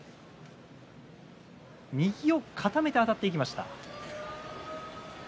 右を固めてあたっていきました。